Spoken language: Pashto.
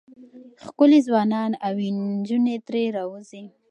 ښکلي ځوانان او نجونې ترې راوځي.